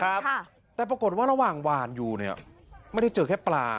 ค่ะแต่ปรากฏว่าระหว่างหวานอยู่เนี่ยไม่ได้เจอแค่ปลา